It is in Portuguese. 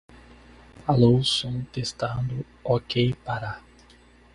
prestação de fazer, de não fazer ou de dar coisa